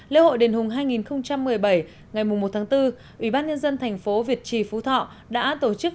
lễ hội đền hùng hai nghìn một mươi bảy ngày một bốn ủy ban nhân dân tp việt trì phú thọ đã tổ chức